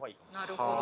なるほど。